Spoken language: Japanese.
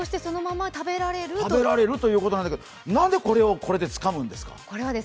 食べられるということなんですが何でこれを、これでつかむんですか？